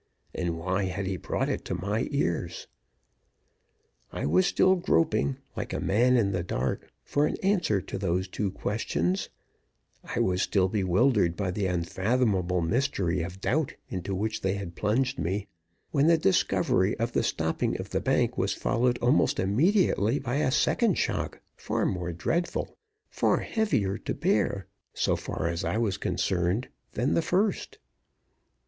and why had he brought it to my ears? I was still groping, like a man in the dark, for an answer to those two questions I was still bewildered by the unfathomable mystery of doubt into which they had plunged me when the discovery of the stopping of the bank was followed almost immediately by a second shock, far more dreadful, far heavier to bear, so far as I was concerned, than the first.